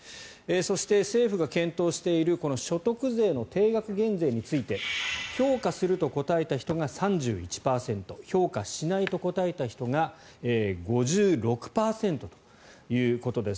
そして、政府が検討している所得税の定額減税について評価すると答えた人が３１％評価しないと答えた人が５６％ということです。